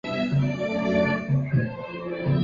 亚维力格是亚尔诺的登丹人的儿子及继承人。